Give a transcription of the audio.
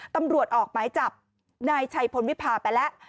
ตำรวจออกหมายจับนายชัยพลวิพาไปแล้ว